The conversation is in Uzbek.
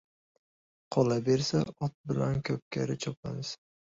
Qolabersa, ot bilan ko‘pkari chopamiz.